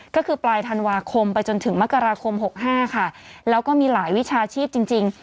ก็คือปลายธันวาคมไปจนถึงมกราคม๖๕ค่ะแล้วก็มีหลายวิชาชีพจริง